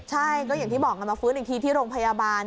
ใช่ก็อย่างที่บอกกันมาฟื้นอีกทีที่โรงพยาบาล